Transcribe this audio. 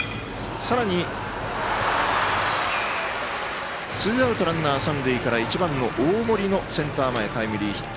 さらに、ツーアウトランナー三塁から１番の大森のセンター前タイムリーヒット。